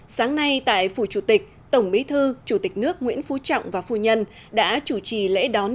sáng nay tại phủ chủ tịch tổng bí thư chủ tịch nước nguyễn phú trọng và phu nhân đã chủ trì lễ đón